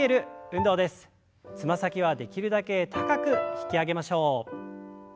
つま先はできるだけ高く引き上げましょう。